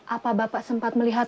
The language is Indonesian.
apa bapak sempat melihat